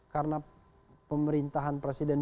karena pemerintahan presiden